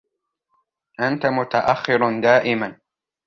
أنتَ متأخر دائماً.